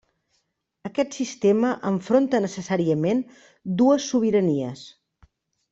Aquest sistema enfronta necessàriament dues sobiranies.